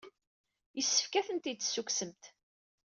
Yessefk ad tent-id-tessukksemt.